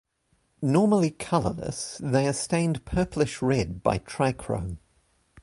Normally colorless, they are stained purplish-red by trichrome.